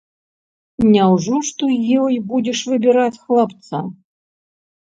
Няўжо ж ты ёй будзеш выбіраць хлапца?